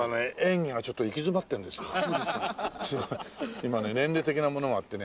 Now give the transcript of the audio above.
今ね年齢的なものもあってね